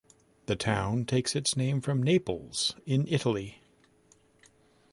The town takes its name from Naples, in Italy.